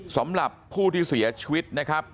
สำหรับผู้ที่เสียชีวิตนะครับ